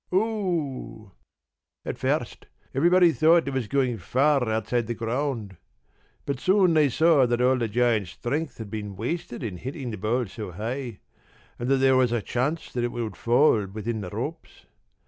p> "Oo!" "At first everybody thought it was going far outside the ground. But soon they saw that all the giant's strength had been wasted in hitting the ball so high, and that there was a chance that it would fall within the ropes.